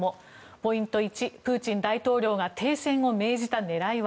ポイント１プーチン大統領が停戦を命じた狙いは？